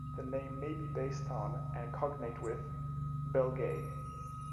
The name may be based on, and cognate with, Belgae.